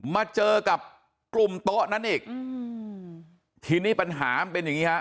มาเจอกับกลุ่มโต๊ะนั้นอีกอืมทีนี้ปัญหามันเป็นอย่างงี้ฮะ